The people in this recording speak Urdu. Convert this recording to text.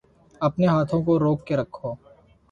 اپنے ہاتھوں کو روک کے رکھو